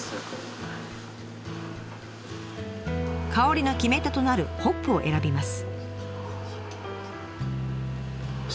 香りの決め手となるホップを選びます。